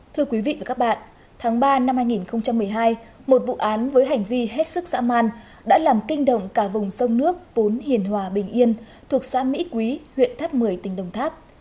thưa quý vị và các bạn tháng ba năm hai nghìn một mươi hai một vụ án với hành vi hết sức dã man đã làm kinh động cả vùng sông nước vốn hiền hòa bình yên thuộc xã mỹ quý huyện tháp một mươi tỉnh đồng tháp